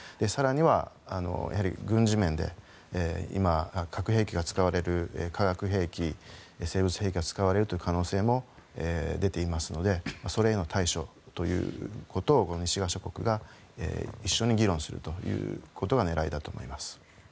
更には軍事面で今核兵器が使われる、化学兵器生物兵器が使われるという可能性も出ていますのでそれへの対処ということを西側諸国が一緒に議論することが狙いだと思います。